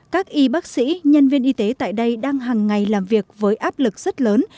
các y bác sĩ nhân viên y tế tại đây đang hàng ngày làm việc với áp lực rất lớn